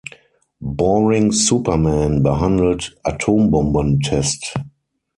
Borings Superman behandelt Atombombentest!